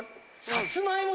さつまいも。